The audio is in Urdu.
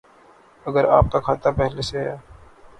اگر آپ کا کھاتہ پہلے سے ہے